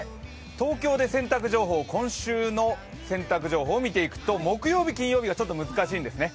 東京で今週の洗濯情報を見ていくと、木曜日、金曜日がちょっと難しいんですね。